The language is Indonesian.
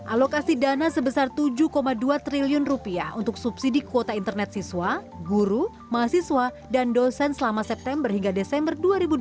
alokasi dana sebesar tujuh dua triliun rupiah untuk subsidi kuota internet siswa guru mahasiswa dan dosen selama september hingga desember dua ribu dua puluh